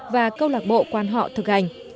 và câu lạc bộ quan họ thực hành